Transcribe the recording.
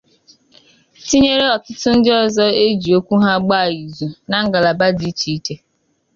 tinyere ọtụtụ ndị ọzọ e ji okwu ha agba ìzù na ngalaba dị iche iche